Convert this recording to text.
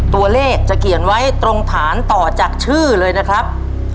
ตัวเลขจะเขียนไว้ตรงฐานต่อจากชื่อเลยนะครับ